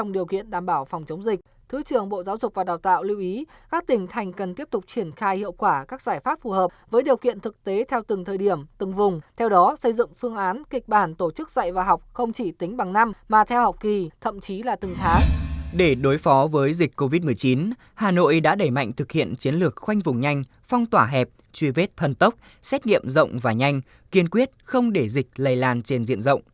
để đối phó với dịch covid một mươi chín hà nội đã đẩy mạnh thực hiện chiến lược khoanh vùng nhanh phong tỏa hẹp truy vết thân tốc xét nghiệm rộng và nhanh kiên quyết không để dịch lây lan trên diện rộng